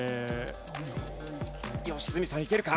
良純さんいけるか？